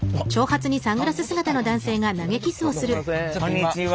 こんにちは。